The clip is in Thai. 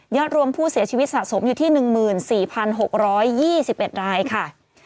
รวมผู้เสียชีวิตสะสมอยู่ที่๑๔๖๒๑รายค่ะ